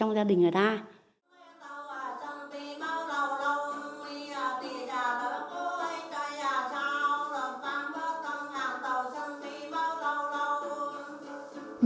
những buổi làm lễ then của bà tại gia đình